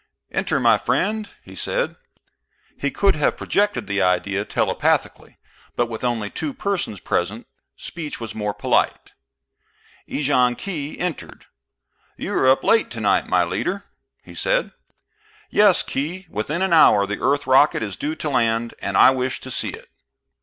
"Enter, my friend," he said. He could have projected the idea telepathically; but with only two persons present, speech was more polite. Ejon Khee entered. "You are up late tonight, my leader," he said. "Yes, Khee. Within an hour the Earth rocket is due to land, and I wish to see it.